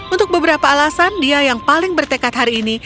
untuk beberapa alasan dia yang paling bertekad hari ini